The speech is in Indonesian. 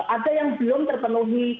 ada yang belum terpenuhi